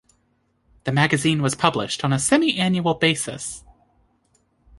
The magazine was published on a semi-annual basis.